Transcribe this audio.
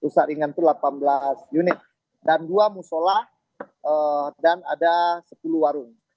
rusak ringan itu delapan belas unit dan dua musola dan ada sepuluh warung